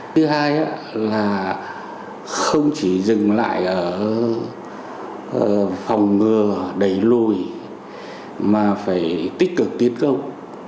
thứ hai là không chỉ dừng lại ở phòng ngừa đầy lôi mà phải tích cực tiến công